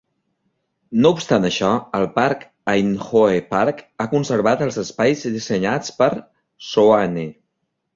No obstant això, el parc Aynhoe Park ha conservat els espais dissenyats per Soane.